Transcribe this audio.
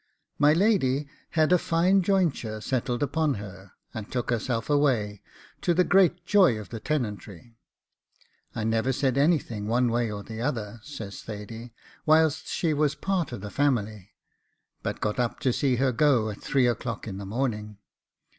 ... My lady had a fine jointure settled upon her, and took herself away, to the great joy of the tenantry. I never said anything one way or the other,' says Thady, 'whilst she was part of the family, but got up to see her go at three o'clock in the morning.